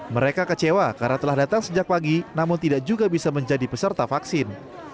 mereka kecewa karena telah datang sejak pagi namun tidak juga bisa menjadi peserta vaksin